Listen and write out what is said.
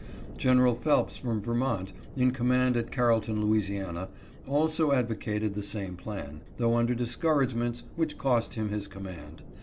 General Phelps from Vermont, in command at Carrollton, La., also ad vocated the same plan, though under discouragements which cost him his command.